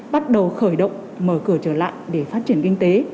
bắt đầu khởi động mở cửa trở lại để phát triển kinh tế